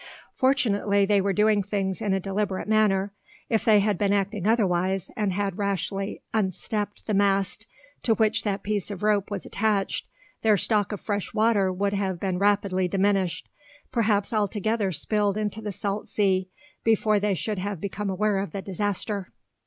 Fortunately they were doing things in a deliberate manner. If they had been acting otherwise, and had rashly "unstepped" the mast to which that piece of rope was attached, their stock of fresh water would have been rapidly diminished, perhaps altogether spilled into the salt sea, before they should have become aware of the disaster.